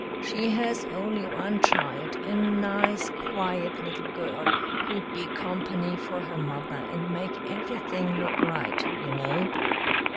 She has only one child, a nice, quiet little girl who'd be company for her mother and make everything look right, you know."